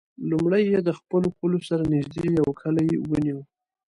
لومړی یې د خپلو پولو سره نژدې یو کلی ونیو.